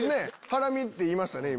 ハラミって言いましたね